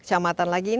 sepuluh kecamatan lagi